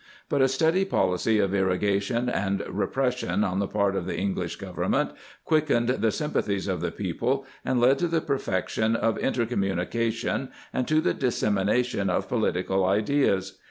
But a steady policy of irritation and repression on the part of the English Govern ment quickened the sympathies of the people, and led to the perfection of intercommunica tion and to the dissemination of political ideas.